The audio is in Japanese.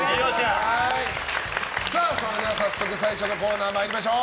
それでは、早速最初のコ−ナー参りましょう。